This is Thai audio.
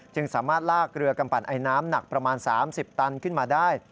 สามารถลากเรือกำปั่นไอน้ำหนักประมาณ๓๐ตันขึ้นมาได้